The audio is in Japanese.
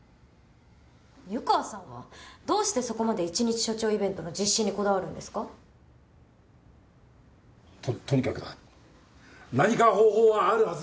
湯川さんはどうしてそこまで１日署長イベントの実施にこだわるんですか？ととにかくだ何か方法はあるはずだ。